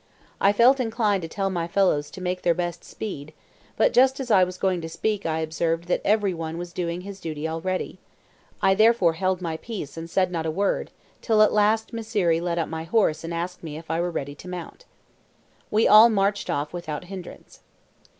I felt inclined to tell my fellows to make their best speed, but just as I was going to speak I observed that every one was doing his duty already; I therefore held my peace and said not a word, till at last Mysseri led up my horse and asked me if I were ready to mount. We all marched off without hindrance.